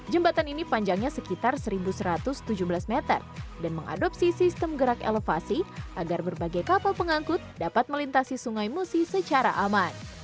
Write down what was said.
jembatan ini panjangnya sekitar satu satu ratus tujuh belas meter dan mengadopsi sistem gerak elevasi agar berbagai kapal pengangkut dapat melintasi sungai musi secara aman